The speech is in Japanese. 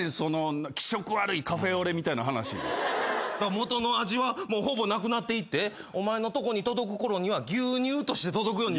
元の味はもうほぼなくなっていってお前のとこに届くころには牛乳として届くように。